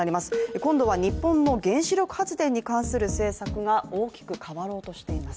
今度は日本の原子力発電に関する政策が大きく変わろうとしています。